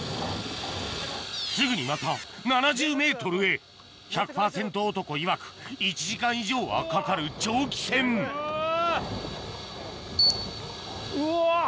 すぐにまた７０ｍへ１００％男いわく１時間以上はかかる長期戦うわ！